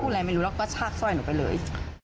อะไรไม่รู้แล้วก็ชากสร้อยหนูไปเลย